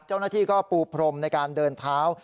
เจ้าหน้าที่ก็ปูพรมในการเดินเท้า